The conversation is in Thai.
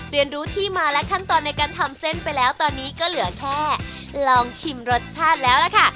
เรียนรู้ที่มาและขั้นตอนในการทำเส้นไปแล้วตอนนี้ก็เหลือแค่ลองชิมรสชาติแล้วล่ะค่ะ